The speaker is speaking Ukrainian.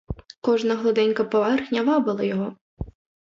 Кожна гладенька поверхня вабила його.